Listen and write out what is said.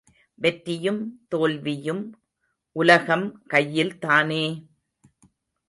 வெற்றியும் தோல்வியும் உலகம் கையில்தானே!